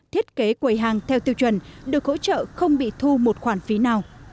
thiết kế quầy hàng theo tiêu chuẩn được hỗ trợ không bị thu một khoản phí nào